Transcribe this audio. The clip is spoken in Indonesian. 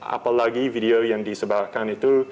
apalagi video yang disebarkan itu